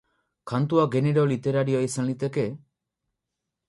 Kantua genero literarioa izan liteke?